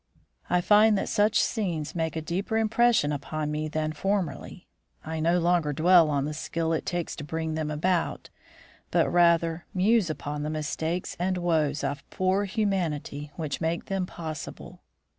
"I find that such scenes make a deeper impression upon me than formerly. I no longer dwell on the skill it takes to bring them about, but rather muse upon the mistakes and woes of poor humanity which make them possible."